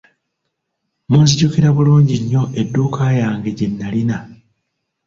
Munzijukira bulungi nnyo edduuka yange gyenalina!